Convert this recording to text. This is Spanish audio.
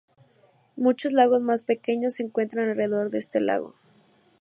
Muchos lagos más pequeños se encuentran alrededor de este lago.